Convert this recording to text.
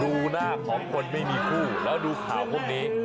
ดูหน้าของคนไม่มีคู่แล้วดูข่าวพวกนี้